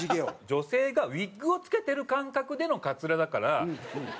女性がウィッグを着けてる感覚でのカツラだから。